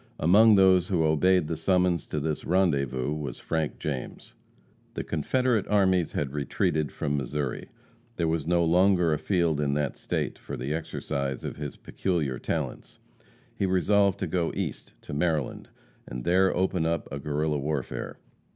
Among those who obeyed the summons to this rendezvous was Frank James. The Confederate armies had retreated from Missouri. There was no longer a field in that State for the exercise of his peculiar talents. He resolved to go East, to Maryland, and there open up a Guerrilla warfare.